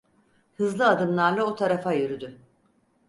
Hızlı adımlarla o tarafa yürüdü.